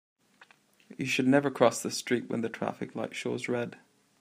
You should never cross the street when the traffic light shows red.